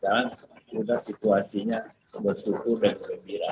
dan sudah situasinya bersyukur dan kegembiraan